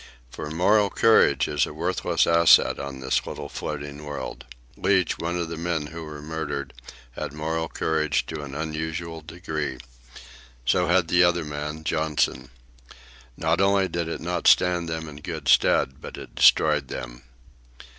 "For moral courage is a worthless asset on this little floating world. Leach, one of the men who were murdered, had moral courage to an unusual degree. So had the other man, Johnson. Not only did it not stand them in good stead, but it destroyed them.